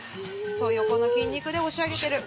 そう横の筋肉で押し上げてる。